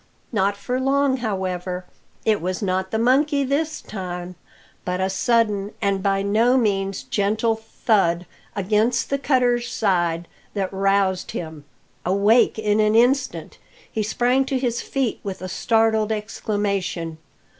Not for long, however. It was not the monkey this time, but a sudden and by no means gentle thud against the cutters side that roused him. Awake in an instant, he sprang to his feet with a startled exclamation.